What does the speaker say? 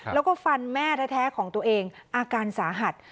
แล้วก็ฟันแม่แท้ของตัวเองอาการสาหัส